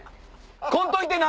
来んといてな？